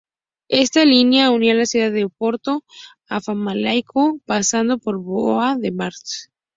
Esta línea unía la ciudad de Oporto a Famalicão, pasando por Póvoa de Varzim.